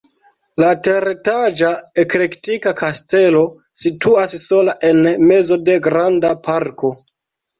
La teretaĝa eklektika kastelo situas sola en mezo de granda parko.